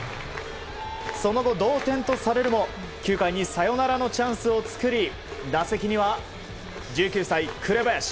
その後、同点とされるも９回にサヨナラのチャンスを作り打席には１９歳、紅林。